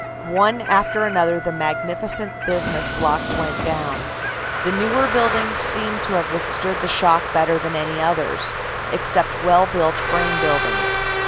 One after another of the magnificent business blocks went down. The newer buildings seemed to have withstood the shock better than any others, except well built frame buildings.